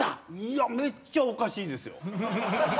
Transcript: いやめっちゃおかしいですよ。